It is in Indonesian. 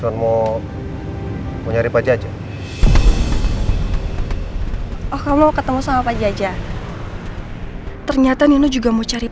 tetapi aku ingin menikmati